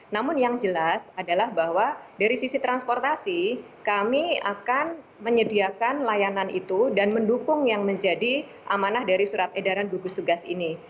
namun yang jelas adalah bahwa dari sisi transportasi kami akan menyediakan layanan itu dan mendukung yang menjadi amanah dari surat edaran gugus tugas ini